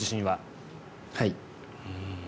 はい。